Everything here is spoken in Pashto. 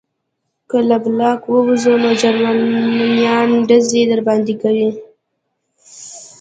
که له بلاک ووځو نو جرمنان ډزې راباندې کوي